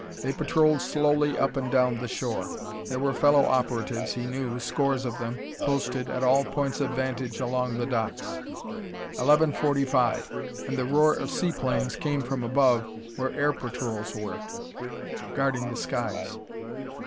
They patrolled slowly up and down the shore. There were fellow operatives, he knew, scores of them, posted at all points of vantage along the docks. Eleven forty five and the roar of seaplanes came from above where air patrols were guarding the skies.